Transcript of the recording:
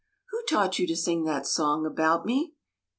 " Who taught you to sing that song about me?"